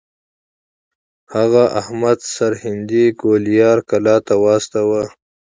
هغه احمد سرهندي ګوالیار کلا ته واستوه.